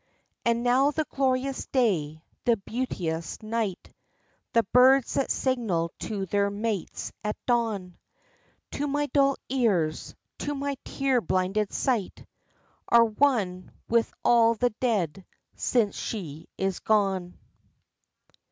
And now the glorious day, the beauteous night, The birds that signal to their mates at dawn, To my dull ears, to my tear blinded sight Are one with all the dead, since she is gone.